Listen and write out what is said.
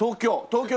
東京。